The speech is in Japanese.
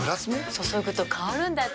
注ぐと香るんだって。